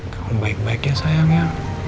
kamu baik baik ya sayang ya